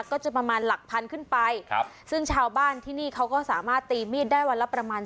ก็จะประมาณหลักพันขึ้นไปครับซึ่งชาวบ้านที่นี่เขาก็สามารถตีมีดได้วันละประมาณ